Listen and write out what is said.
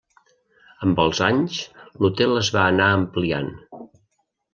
Amb els anys l'hotel es va anar ampliant.